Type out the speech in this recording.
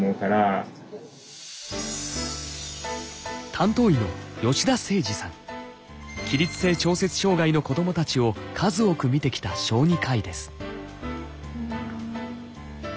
担当医の起立性調節障害の子どもたちを数多く診てきた小児科医です。